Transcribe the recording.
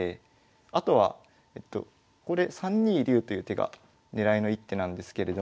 あとはこれ３二竜という手が狙いの一手なんですけれども。